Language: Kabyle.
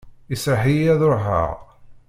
Iserreḥ-iyi ad ruḥeɣ.